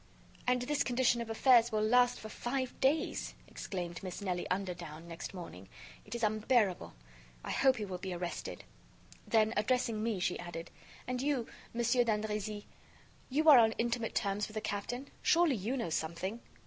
"And this condition of affairs will last for five days!" exclaimed Miss Nelly Underdown, next morning. "It is unbearable! I hope he will be arrested." Then, addressing me, she added: "And you, Monsieur d'Andrézy, you are on intimate terms with the captain; surely you know something?"